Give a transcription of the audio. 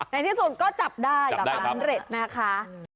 ในที่สุดก็จับได้กับบ้านเลขนะคะจับได้ครับ